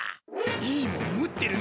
いいもん持ってるな。